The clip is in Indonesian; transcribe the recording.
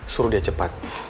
suruh dia cepat